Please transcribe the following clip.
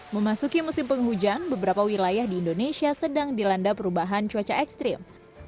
memasuki musim penghujan beberapa wilayah di indonesia sedang dilanda perubahan cuaca ekstrim